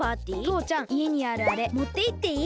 とうちゃんいえにあるあれもっていっていい？